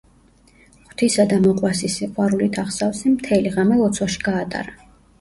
ღვთისა და მოყვასის სიყვარულით აღსავსემ მთელი ღამე ლოცვაში გაატარა.